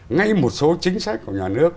ngay một số chính sách của nhà nước